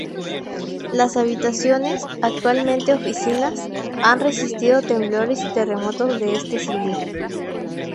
Las habitaciones, actualmente oficinas, han resistido temblores y terremotos de este siglo.